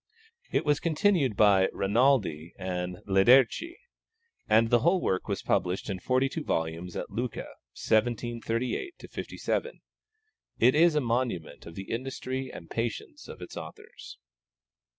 It was continued by Rainaldi and Laderchi, and the whole work was published in forty two volumes at Lucca 1738 57. It is a monument of the industry and patience of its authors.